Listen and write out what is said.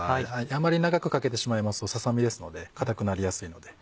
あんまり長くかけてしまいますとささ身ですので硬くなりやすいので。